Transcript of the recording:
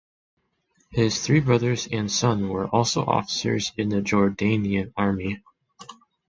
His three brothers and son were also officers in the Jordanian army.